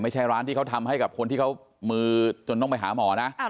ไม่ใช่ร้านที่เขาทำให้กับคนที่เขามือจนต้องไปหาหมอนะ